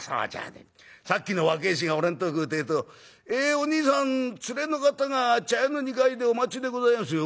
さっきの若え衆が俺のとこ来るってえと『えおにいさん連れの方が茶屋の二階でお待ちでございますよ』